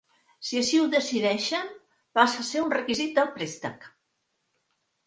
Si així ho decideixen, passa a ser un requisit del préstec.